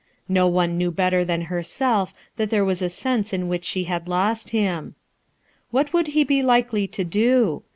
No one knew 7 better than herself that there was a sense in which she had lost him. What would he be likely to do?